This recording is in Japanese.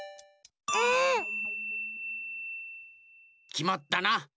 きまったな。